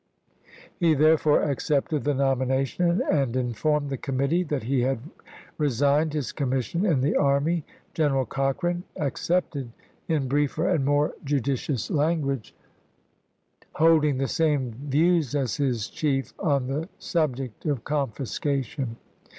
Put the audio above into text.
He therefore accepted the nomination, and in formed the committee that he had resigned his commission in the army. General Cochrane ac cepted in briefer and more judicious language, THE CLEVELAND CONVENTION 43 molding the same views as his chief on the sub chap.ii. ject of confiscation.